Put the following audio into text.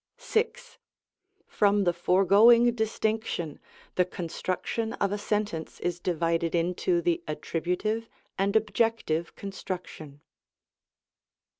6. Prom the foregoing distinction, the construction of a sentence is divided into the attributive and ob jective construction.